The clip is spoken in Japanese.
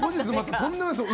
とんでもないですよ。